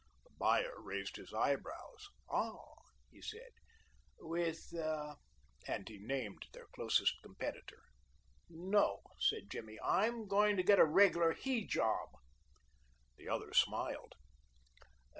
The buyer raised his eyebrows. "Ah!" he said. "With " and he named their closest competitor. "No," said Jimmy. "I am going to get a regular he job." The other smiled.